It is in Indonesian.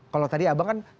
kalau tadi abang kan